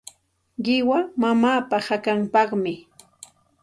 Qiwa mamaapa hakanpaqmi.